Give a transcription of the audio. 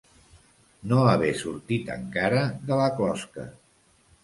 No haver sortit encara de la closca.